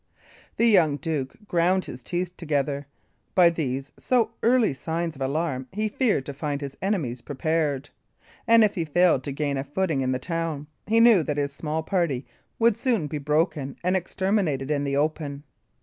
The young duke ground his teeth together. By these so early signals of alarm he feared to find his enemies prepared; and if he failed to gain a footing in the town, he knew that his small party would soon be broken and exterminated in the open.